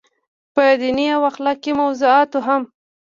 پۀ ديني او اخلاقي موضوعاتو هم